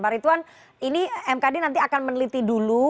pak ritwan ini mkd nanti akan meneliti dulu